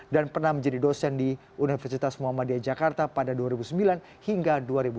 dan pernah menjadi dosen di universitas muhammadiyah jakarta pada dua ribu sembilan hingga dua ribu dua belas